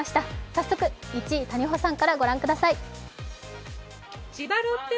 早速、１位、谷保さんからご覧ください。